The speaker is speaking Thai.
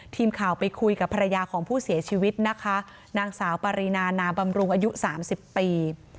ทีมข่าวไปคุยกับภรรยาของผู้เสียชีวิตนะคะนางสาวปารีนานาบำรุงอายุ๓๐ปี